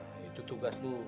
nah itu tugas lu